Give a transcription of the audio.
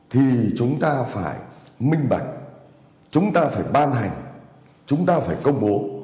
thì chúng ta phải minh bạch chúng ta phải ban hành chúng ta phải công bố